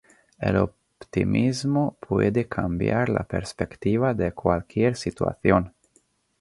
El optimismo puede cambiar la perspectiva de cualquier situación.